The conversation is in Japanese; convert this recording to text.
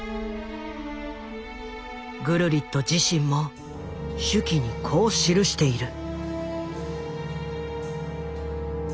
グルリット自身も手記にこう記している。